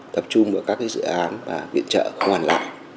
tập trung vào các dự án viện trợ hoàn lại